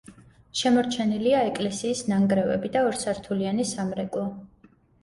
შემორჩენილია ეკლესიის ნანგრევები და ორსართულიანი სამრეკლო.